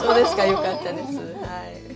よかったです。